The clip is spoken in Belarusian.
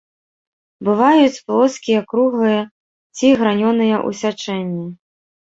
Бываюць плоскія, круглыя ці гранёныя ў сячэнні.